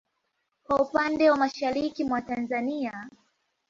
Kwa upande wa mashariki mwa Tanzania